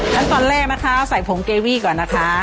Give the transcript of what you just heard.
ขั้นตอนแรกนะคะใส่ผงเกวี่ก่อนนะคะ